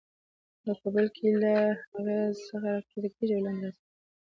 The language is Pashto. او بل بیا له هغې څخه راکښته کېږي او لاندې راځي.